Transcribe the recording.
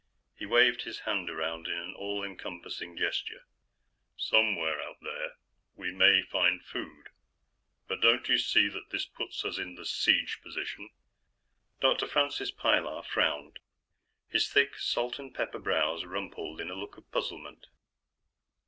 He waved his hand around, in an all encompassing gesture. "Somewhere out there, we may find food. But don't you see that this puts us in the Siege Position?" Dr. Francis Pilar frowned. His thick salt and pepper brows rumpled in a look of puzzlement.